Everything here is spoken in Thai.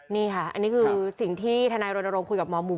นี่ค่ะอันนี้คือสิ่งที่ทนายรณรงค์คุยกับหมอหมู